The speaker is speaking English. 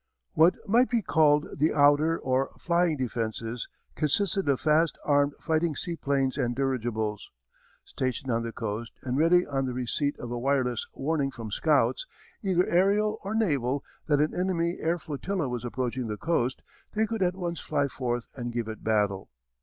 What might be called the outer, or flying, defences consisted of fast armed fighting seaplanes and dirigibles. Stationed on the coast and ready on the receipt of a wireless warning from scouts, either aërial or naval, that an enemy air flotilla was approaching the coast, they could at once fly forth and give it battle.